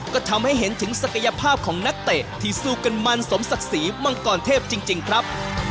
ก็ทำให้เห็นถึงศักยภาพของนักเตะที่สู้กันมันสมศักดิ์ศรีมังกรเทพจริงครับ